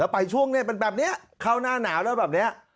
แล้วไปช่วงนี้คร่าวหน้าหนาวแล้วแบบนี้